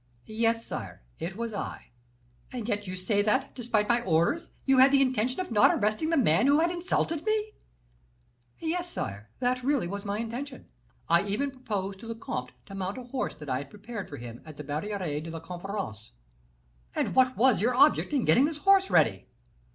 "Yes, sire; it was I." "And yet you say that, despite my orders, you had the intention of not arresting the man who had insulted me!" "Yes, sire that was really my intention. I even proposed to the comte to mount a horse that I had prepared for him at the Barriere de la Conference." "And what was your object in getting this horse ready?"